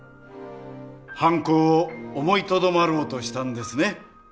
犯行を思いとどまろうとしたんですね。